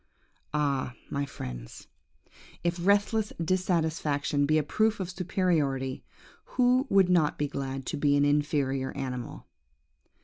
"Ah, my friends, if restless dissatisfaction be a proof of superiority, who would not be glad to be an inferior animal?